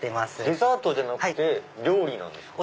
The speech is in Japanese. デザートじゃなくて料理なんですか？